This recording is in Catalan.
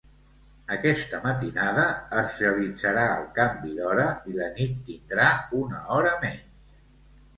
Aquesta matinada es realitzarà el canvi d'hora i la nit tindrà una hora menys.